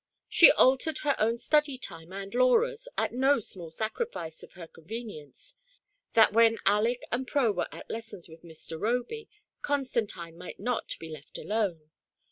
She altered her own study time and Laura's — at do smaU sacrifice of her convenience — that when Aleck and Pi o were at lessons with Mr. Roby, Constantine might not be left alone.